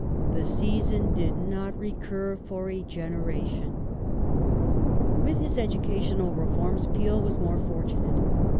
The season did not recur for a generation. Irish With his educational reforms Peel was more fortunate.